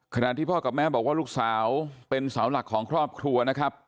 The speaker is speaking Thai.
ขณะที่พ่อกับแม่บอกว่าลูกสาวเป็นเสาหลักของครอบครัวนะครับ